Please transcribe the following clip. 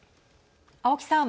青木さん。